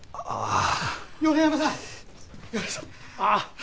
ああ。